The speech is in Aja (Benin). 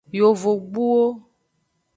Yovogbuwo.